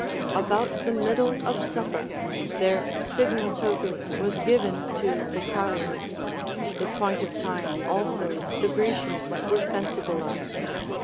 About the middle of supper, their signal token was given to the Carians ; the point of time also the Grecians Avere sensible of.